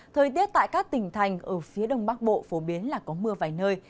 thời tiết tại các tỉnh thành ở phía đông bắc bộ phổ biến là có mưa vài nơi